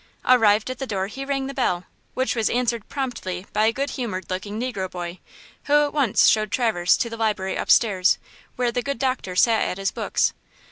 Arrived at the door he rang the bell, which was answered promptly by a good humored looking negro boy, who at once showed Traverse to the library up stairs, where the good doctor sat at his books.